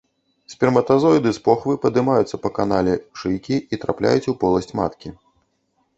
Сперматазоіды з похвы падымаюцца па канале шыйкі і трапляюць у поласць маткі.